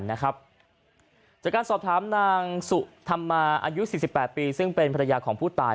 จากการสอบถามนางสุธรรมาอายุ๔๘ปีซึ่งเป็นภรรยาของผู้ตาย